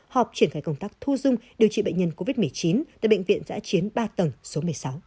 họp triển khai công tác thu dung điều trị bệnh nhân covid một mươi chín tại bệnh viện giã chiến ba tầng số một mươi sáu